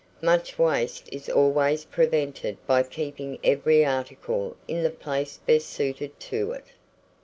Much waste is always prevented by keeping every article in the place best suited to it.